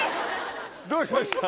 どうしました？